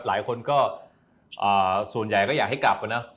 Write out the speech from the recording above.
หลายคนก็ส่วนใหญ่ก็อยากให้กลับเนอะ